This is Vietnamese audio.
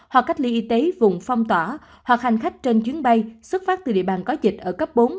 hoặc cách ly y tế vùng phong tỏa hoặc hành khách trên chuyến bay xuất phát từ địa bàn có dịch ở cấp bốn